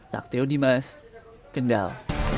takteo dimas kendal